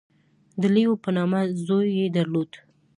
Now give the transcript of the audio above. • د لیو په نامه زوی یې درلود.